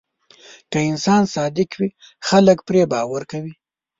که انسان صادق وي، خلک پرې باور کوي.